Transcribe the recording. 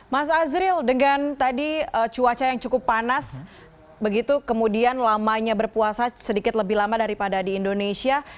mas azril dengan tadi cuaca yang cukup panas begitu kemudian lamanya berpuasa sedikit lebih lama daripada di indonesia